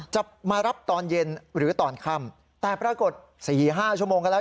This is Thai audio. จะมารับตอนเย็นหรือตอนค่ำแต่ปรากฏ๔๕ชั่วโมงก็แล้ว